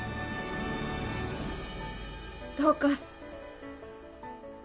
どうか。